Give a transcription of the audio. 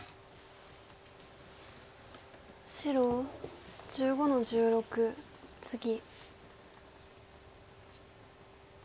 白１５の十六ツギ。